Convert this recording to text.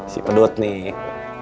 si pedut nih